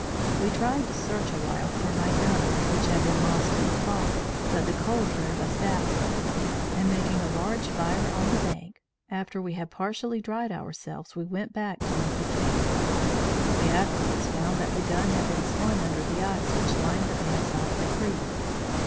We tried to search a while for my gun, which had been lost in the fall, but the cold drove us out; and making a large fire on the bank, after we had partially dried ourselves we went back to meet the camp. We afterwards found that the gun had been slung under the ice which lined the banks of the creek.